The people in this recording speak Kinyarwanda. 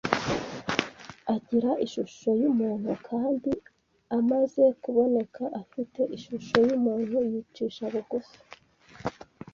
agira ishusho y’umuntu, kandi amaze kuboneka afite ishusho y’umuntu yicisha bugufi